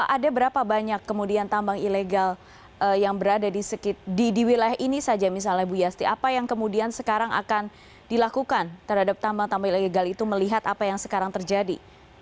ada berapa banyak kemudian tambang ilegal yang berada di wilayah ini saja misalnya bu yasti apa yang kemudian sekarang akan dilakukan terhadap tambang tambang ilegal itu melihat apa yang sekarang terjadi